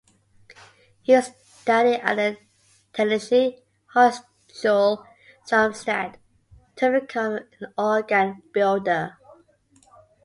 He studied at the Technische Hochschule Darmstadt to become an organ builder.